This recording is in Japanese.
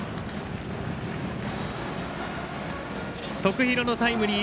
徳弘のタイムリー。